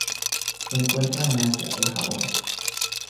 Se encuentran en Asia: el Japón.